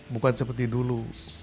bukan seperti dulu